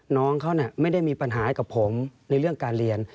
น้องเขาไม่ได้มีปัญหากับผมในเรื่องการเรียน